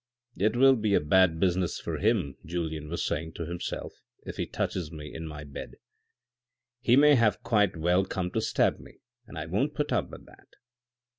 " It will be a bad business for him," Julien was saying to himself, " if he touches me in my bed. He may have quite well come to stab me, and I won't put up with that."